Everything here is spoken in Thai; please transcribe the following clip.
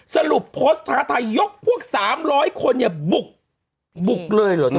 สรุปพวก๓๐๐คนบุกเลยเหรอ